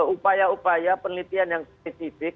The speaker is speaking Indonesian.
upaya upaya penelitian yang spesifik